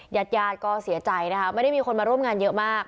ญาติญาติก็เสียใจนะคะไม่ได้มีคนมาร่วมงานเยอะมาก